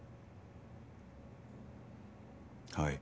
はい。